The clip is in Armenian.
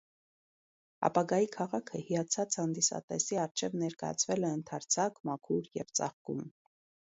Ապագայի քաղաքը հիացած հանդիսատեսի առջև ներկայացվել է ընդարձակ, մաքուր և ծաղկուն։